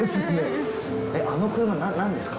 あの車なんですか？